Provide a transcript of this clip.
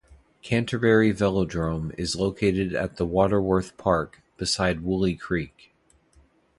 Canterbury Velodrome is located at Waterworth Park, beside Wolli Creek.